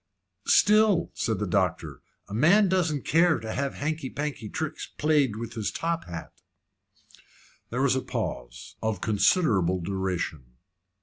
"Still," said the doctor, "a man doesn't care to have hanky panky tricks played with his top hat." There was a pause of considerable duration.